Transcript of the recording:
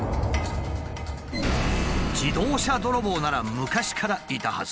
自動車泥棒なら昔からいたはず。